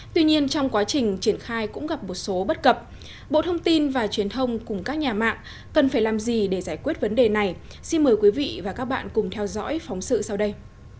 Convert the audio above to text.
tuy nhiên trong quá trình triển khai cũng gặp một số bất cập bộ thông tin và truyền thông cùng các nhà mạng cần phải làm gì để giải quyết vấn đề này xin mời quý vị và các bạn cùng theo dõi phóng sự sau đây